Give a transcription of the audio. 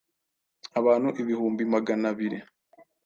abantu ibihumbi magana biri